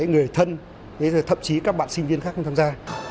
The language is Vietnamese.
người thân thậm chí các bạn sinh viên khác không tham gia